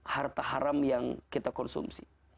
harta haram yang kita konsumsi